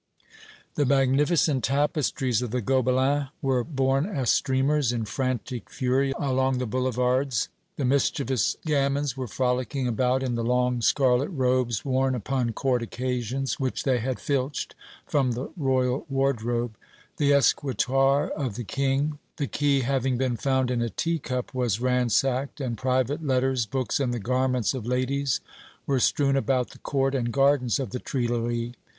The magnificent tapestries of the Gobelins were borne as streamers, in frantic fury, along the boulevards; mischievous gamins were frolicking about in the long scarlet robes worn upon Court occasions, which they had filched from the Royal wardrobe; the escritoire of the King, the key having been found in a tea cup, was ransacked, and private letters, books and the garments of ladies were strewn about the court and gardens of the Tuileries.